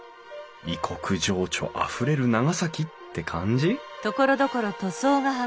異国情緒あふれる長崎って感じ？